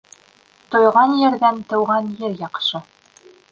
Туйған ерҙән тыуған ер яҡшы.